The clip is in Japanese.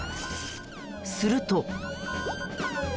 すると。